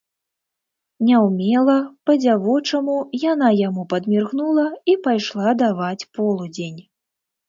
Няўмела, па-дзявочаму, яна яму падміргнула і пайшла даваць полудзень.